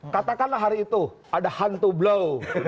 katakanlah hari itu ada hantu blow